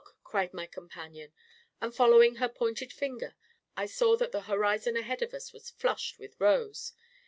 " cried my companion, and fol lowing her pointed finger, I saw that the horizon ahead of us was flushed with rose.